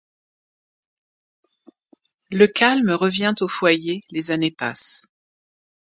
Le calme revient au foyer, les années passent.